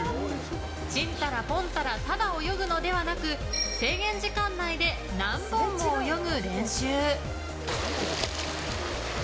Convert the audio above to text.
ちんたらぽんたらただ泳ぐのではなく制限時間内で何本も泳ぐ練習。